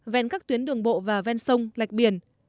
ven các tuyến đường bộ và ven sông lạch biển